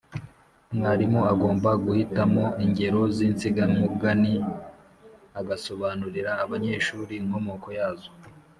Mwarimu agomba guhitamo ingero z’insigamugani agasobanurira abanyeshuri inkomoko yazo,